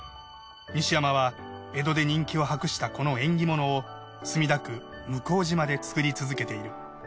西山は江戸で人気を博したこの縁起物を墨田区向島で作り続けている。